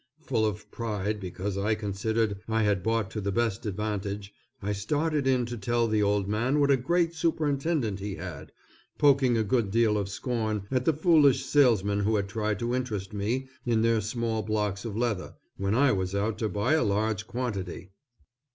Full of pride because I considered I had bought to the best advantage, I started in to tell the old man what a great superintendent he had, poking a good deal of scorn at the foolish salesmen who had tried to interest me in their small blocks of leather, when I was out to buy a large quantity.